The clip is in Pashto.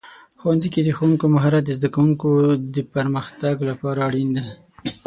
ښوونځي کې د ښوونکو مهارت د زده کوونکو پرمختګ لپاره اړین دی.